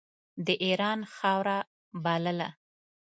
د اېران خاوره بلله.